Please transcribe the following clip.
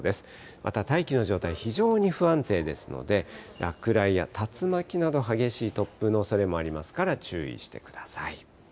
また大気の状態、非常に不安定ですので、落雷や竜巻など激しい突風のおそれもありますから注意してください。